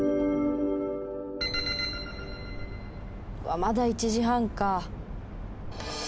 まだ１時半か。